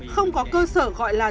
không có cơ sở gọi là